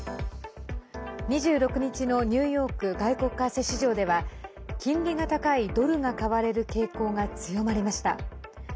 ２６日のニューヨーク外国為替市場では金利が高いドルが買われる傾向が強まりました。